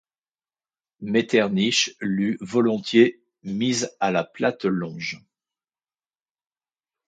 Metternich l'eût volontiers mise à la plate-longe.